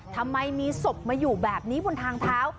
ทำไมมีศพมาอยู่แบบนี้บนทางเท้า